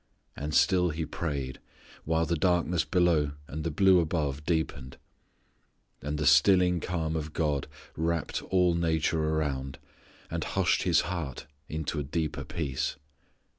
And still He prayed, while the darkness below and the blue above deepened, and the stilling calm of God wrapped all nature around, and hushed His heart into a deeper peace.